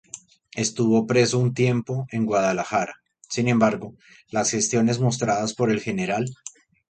Estuvo preso un tiempo en Guadalajara, sin embargo las gestiones mostradas por el Gral.